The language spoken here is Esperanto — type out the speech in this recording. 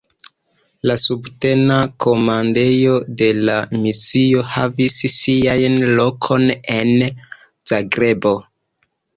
La subtena komandejo de la misio havis sian lokon en Zagrebo.